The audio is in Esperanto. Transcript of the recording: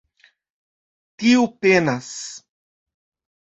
Tiu penas.